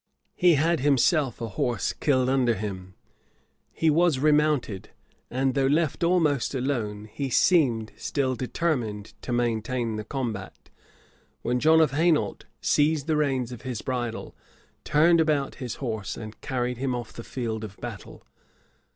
He had himself a horse killed under him: he was remounted; and, though left almost alone, he seemed still determined to maintain the combat; when John of Hainault seized the reins of his bridle, turned about his horse, and carried him off the field of battle.